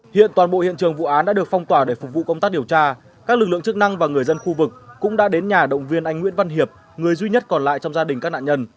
hiện toàn bộ hiện trường vụ án đã được phong tỏa để phục vụ công tác điều tra các lực lượng chức năng và người dân khu vực cũng đã đến nhà động viên anh nguyễn văn hiệp người duy nhất còn lại trong gia đình các nạn nhân